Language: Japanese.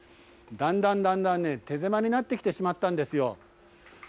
だんだんだんだんね、手狭になってきてしまったんですよ。